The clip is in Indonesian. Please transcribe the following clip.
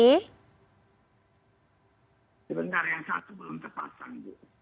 sebentar yang satu belum terpasang bu